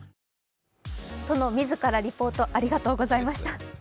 殿自らリポート、ありがとうございました。